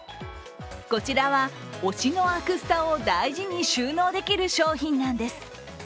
こちらは、推しのアクスタを大事に収納できる商品なんです。